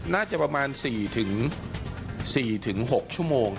น่าจะประมาณ๔๖ชั่วโมง